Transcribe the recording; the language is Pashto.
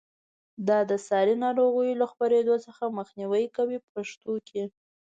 دا د ساري ناروغیو له خپرېدو څخه مخنیوی کوي په پښتو کې.